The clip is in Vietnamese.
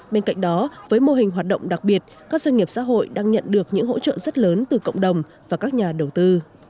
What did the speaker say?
bên cạnh đó với mô hình hoạt động đặc biệt các doanh nghiệp xã hội đang nhận được những hỗ trợ rất lớn từ cộng đồng và các nhà đầu tư